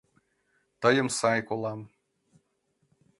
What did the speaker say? Тыйым сай колам!